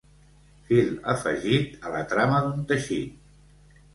Fil afegit a la trama d'un teixit.